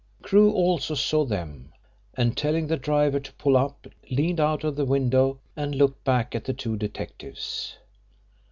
Crewe also saw them, and telling the driver to pull up leaned out of the window and looked back at the two detectives.